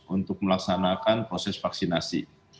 untuk melaksanakan proses vaksinasi